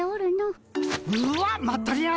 うわっまったり屋。